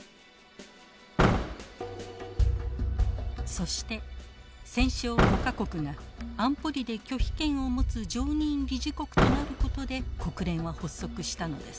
そして戦勝５か国が安保理で拒否権を持つ常任理事国となることで国連は発足したのです。